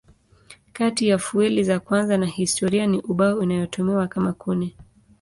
Kati ya fueli za kwanza za historia ni ubao inayotumiwa kama kuni.